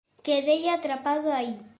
quedei atrapado aí.